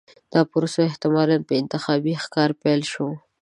دا پروسه احتمالاً په انتخابي ښکار پیل شوه.